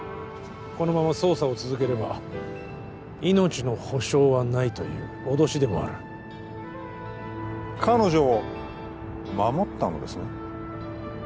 このまま捜査を続ければ命の保証はないという脅しでもある彼女を守ったのですね？